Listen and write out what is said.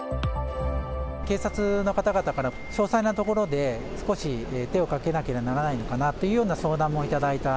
警察の方々から、詳細なところで、少し手をかけなければならないのかなという相談もいただいた。